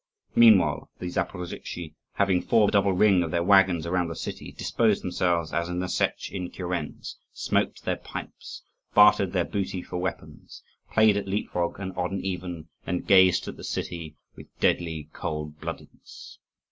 Meanwhile the Zaporozhtzi, having formed a double ring of their waggons around the city, disposed themselves as in the Setch in kurens, smoked their pipes, bartered their booty for weapons, played at leapfrog and odd and even, and gazed at the city with deadly cold bloodedness.